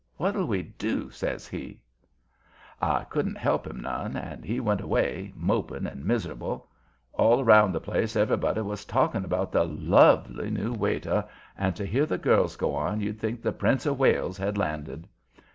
What'll we do?" says he. I couldn't help him none, and he went away, moping and miserable. All round the place everybody was talking about the "lovely" new waiter, and to hear the girls go on you'd think the Prince of Wales had landed.